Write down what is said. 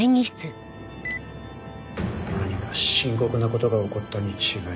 何か深刻な事が起こったに違いない。